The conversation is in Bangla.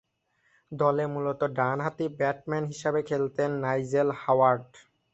দলে মূলতঃ ডানহাতি ব্যাটসম্যান হিসেবে খেলতেন নাইজেল হাওয়ার্ড।